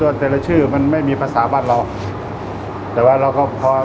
สวัสดีครับผมชื่อสามารถชานุบาลชื่อเล่นว่าขิงถ่ายหนังสุ่นแห่ง